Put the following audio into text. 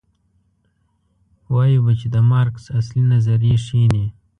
وایو به چې د مارکس اصلي نظریې ښې دي.